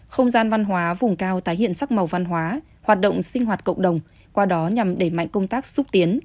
không gian văn hóa vùng cao tái hiện sắc màu văn hóa hoạt động sinh hoạt cộng đồng qua đó nhằm đẩy mạnh công tác xúc tiến